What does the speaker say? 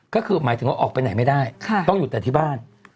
ก็คือหมายถึงว่าออกไปไหนไม่ได้ต้องอยู่แต่ที่บ้าน